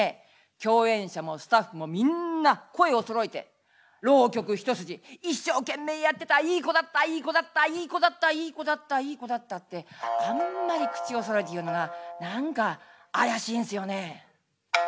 共演者もスタッフもみんな声をそろえて浪曲一筋一生懸命やってたいい子だったいい子だったいい子だったいい子だったいい子だったってあんまり口をそろえて言うのが何か怪しいんすよね」。